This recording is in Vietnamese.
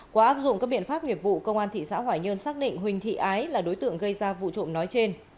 qua áp dụng các biện pháp nghiệp vụ công an thị xã hoài nhơn xác định huỳnh thị ái là đối tượng gây ra vụ trộm nói trên